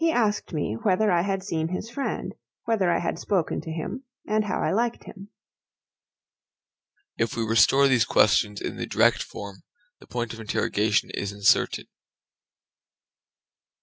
He asked me whether I had seen his friend; whether I had spoken to him; and how I liked him.